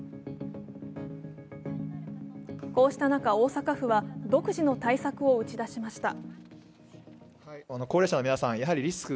こうした中、大阪府は独自の対策を打ち出しました。